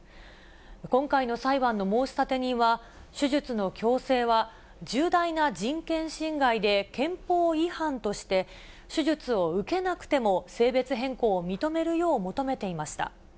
今回の裁判の申立人は、手術の強制は重大な人権侵害で憲法違反として、手術を受けなくても、性別変更を認めるよう求めていました。